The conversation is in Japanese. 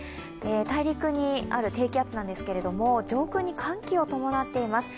大陸にある低気圧なんですけれども、上空に寒気を伴っています。